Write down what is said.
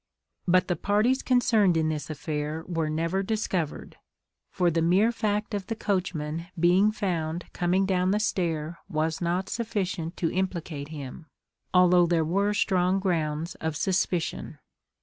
But the parties concerned in this affair were never discovered; for the mere fact of the coachman being found coming down the stair was not sufficient to implicate him, although there were strong grounds of suspicion.